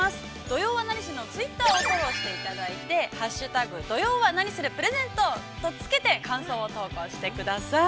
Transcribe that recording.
「土曜はナニする！？」のツイッターをフォローしていただいて「＃土曜はナニするプレゼント」とつけて感想を投稿してください。